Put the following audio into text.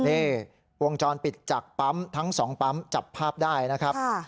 นี่วงจรปิดจากปั๊มทั้งสองปั๊มจับภาพได้นะครับ